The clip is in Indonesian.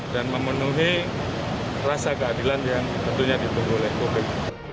dan memenuhi rasa keadilan yang tentunya ditunggu oleh publik